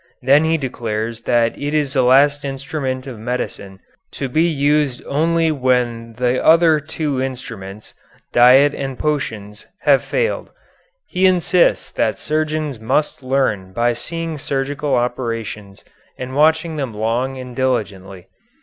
He then declares that it is the last instrument of medicine to be used only when the other two instruments, diet and potions, have failed. He insists that surgeons must learn by seeing surgical operations and watching them long and diligently.